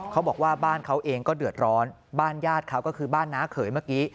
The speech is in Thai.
เขาบอกว่าบ้านเขาเองก็เดือดร้อนบ้านญาติเขาก็คือบ้านน้าเขยเมื่อกี้